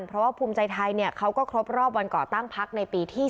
เพราะว่าภูมิใจไทยใช้แผ่นเวลาวันก่อตั้งพักในปีที่๑๑